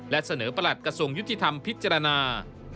และเสนอประหลัดกระทรวงยุติธรรมพิจารณา